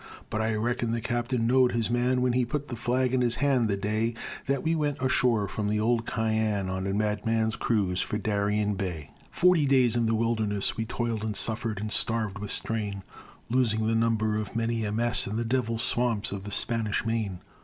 But I reckon the Captain knowed his man, When he put the flag in his hand the day That we went ashore from the old Cyane, On a madman's cruise for Darien Bay. Forty days in the wilderness We toiled and suffered and starved with Strain, Losing the number of many a mess In the Devil's swamps of the Spanish Main.